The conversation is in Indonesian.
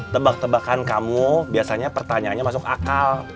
tebak tebakan kamu biasanya pertanyaannya masuk akal